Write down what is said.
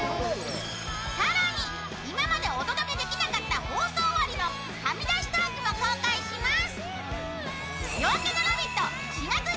更に、今までお届けできなかった放送終わりのはみ出しトークも公開します。